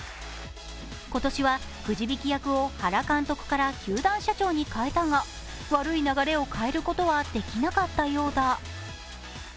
今年はくじ引き役を原監督から球団社長にかえたが悪い流れを買えることはできなかったようだ。